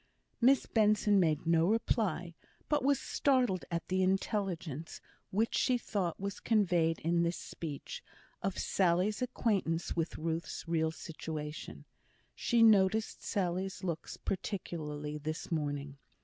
Miss Benson made no reply; but was startled at the intelligence, which she thought was conveyed in this speech, of Sally's acquaintance with Ruth's real situation. She noticed Sally's looks particularly this morning.